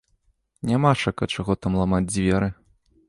Нямашака чаго там ламаць дзверы.